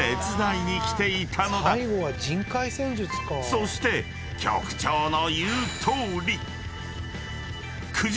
［そして局長の］